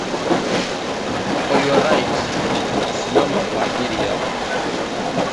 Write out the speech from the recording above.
for your right simama kwa ajili ya